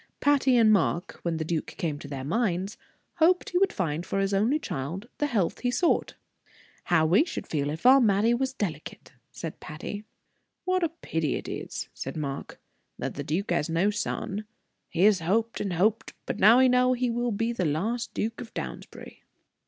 Patty and Mark, when the duke came to their minds, hoped he would find for his only child the health he sought. "How we should feel if our Mattie was delicate!" said Patty. "What a pity it is," said Mark, "that the duke has no son. He has hoped and hoped, but now he knows he will be the last Duke of Downsbury."